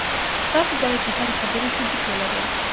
تاسي باید د هرې خبرې ثبوت ولرئ.